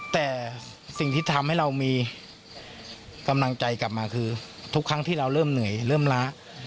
แต่สิ่งที่ทำให้เรามีกำลังใจกลับมาคือทุกครั้งที่เราเริ่มเหนื่อยเริ่มล้า